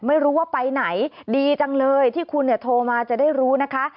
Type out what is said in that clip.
ไม่รู้ว่าไปไหนดีจังเลยที่คุณโทรมาจะได้รู้นะคะ